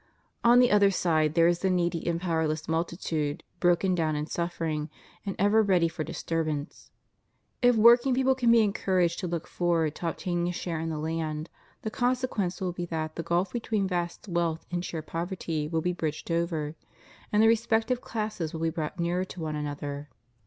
On the other side there is the needy and powerless multi tude, broken down and suffering, and ever ready for dis turbance. If working people can be encouraged to look forward to obtaining a share in the land, the consequence will be that the gulf between vast wealth and sheer poverty will be bridged over, and the respective classes will be brought nearer to one another.